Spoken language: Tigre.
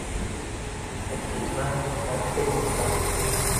እኪትመ ትአክየ ኢትምጸእ።